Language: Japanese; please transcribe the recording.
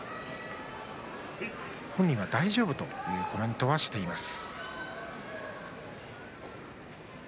本人は大丈夫とコメントしています。